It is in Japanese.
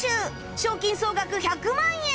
賞金総額１００万円！